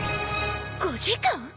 ５時間！？